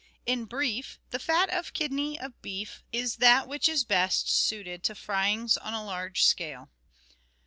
In brief, the fat of kidney of beef is that which is best suited to fryings on a large scale.